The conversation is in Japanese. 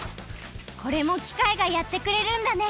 これもきかいがやってくれるんだね。